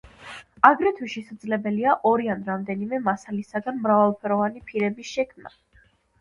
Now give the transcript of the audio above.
აგრეთვე შესაძლებელია ორი ან რამდენიმე მასალისაგან მრავალფენოვანი ფირების შექმნა.